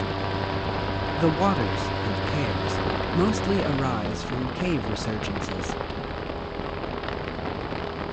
The waters in the Cares mostly arise from cave resurgences.